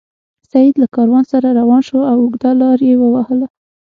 سید له کاروان سره روان شو او اوږده لار یې ووهله.